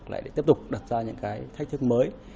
lại tiếp tục đặt ra những thách thức mới